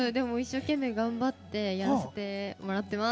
頑張ってやらせてもらってます。